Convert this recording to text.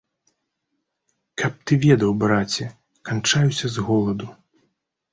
Каб ты ведаў, браце, канчаюся з голаду.